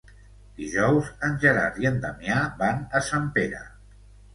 Dijous en Gerard i en Damià van a Sempere.